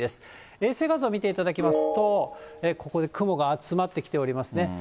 衛星画像見ていただきますと、ここで雲が集まってきておりますね。